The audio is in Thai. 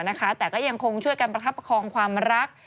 น้อยลงตามข่าวนะคะแต่ก็ยังคงช่วยกันประคับประคองความรัก